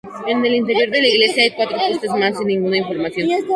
En el interior de la iglesia hay cuatro postes más, sin ninguna función.